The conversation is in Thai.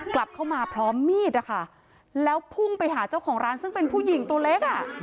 กลับเข้ามาพร้อมมีดนะคะแล้วพุ่งไปหาเจ้าของร้านซึ่งเป็นผู้หญิงตัวเล็กอ่ะ